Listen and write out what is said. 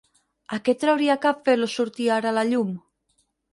A què trauria cap fer-los sortir ara a la llum?